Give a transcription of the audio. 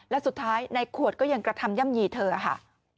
และสุดท้ายในขวดก็ยังกระทำย่ำยีเธอค่ะ